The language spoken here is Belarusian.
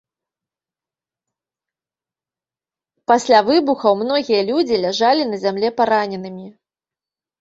Пасля выбухаў многія людзі ляжалі на зямлі параненымі.